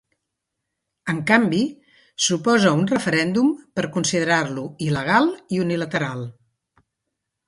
En canvi, s'oposa a un referèndum, per considerar-lo il·legal i unilateral.